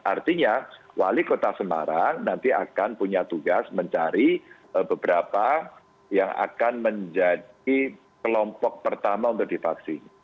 artinya wali kota semarang nanti akan punya tugas mencari beberapa yang akan menjadi kelompok pertama untuk divaksin